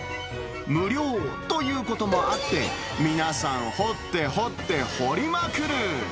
無料ということもあって、皆さん、掘って掘って掘りまくる。